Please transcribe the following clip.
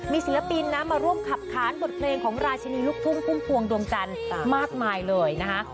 มีศิลปินนะมาร่วมขับค้านบทเพลงของราชินีลูกทุ่งพุ่มพวงดวงจันทร์มากมายเลยนะคะ